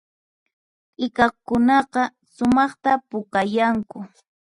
T'ikakunaqa sumaqta pukayanku